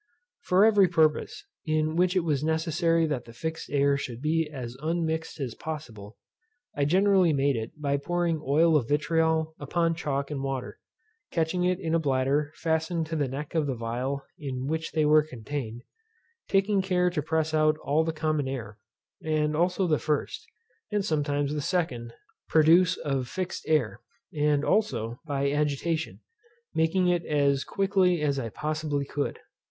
For every purpose, in which it was necessary that the fixed air should be as unmixed as possible, I generally made it by pouring oil of vitriol upon chalk and water, catching it in a bladder fastened to the neck of the phial in which they were contained, taking care to press out all the common air, and also the first, and sometimes the second, produce of fixed air; and also, by agitation, making it as quickly as I possibly could.